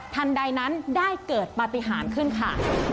ทันใดนั้นได้เกิดปฏิหารขึ้นค่ะ